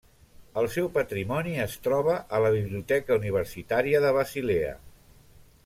El seu patrimoni es troba a la Biblioteca Universitària de Basilea.